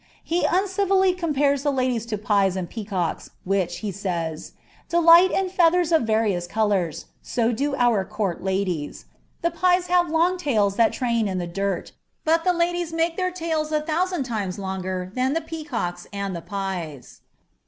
He uncivilly conipam the ladies to pies and peacocks, which, lie says, " delight in fEoilien oC various colours; so do our courl ladies. The pies have long laiN lliai train in Ihe dirt, bul the ladies make ilieir tads a thousand tiiues longrr than the peacocks and the pies.